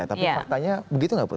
tapi faktanya begitu nggak prof